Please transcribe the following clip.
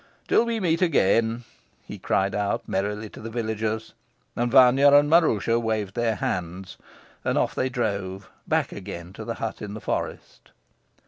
Till we meet again," he cried out merrily to the villagers; and Vanya and Maroosia waved their hands, and off they drove, back again to the hut in the forest.